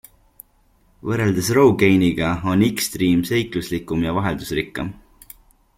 Võrreldes rogainiga on Xdream seikluslikum ja vaheldusrikkam.